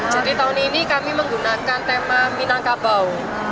jadi tahun ini kami menggunakan tema minangkabau